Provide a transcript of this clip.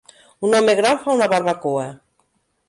Un home gran fa una barbacoa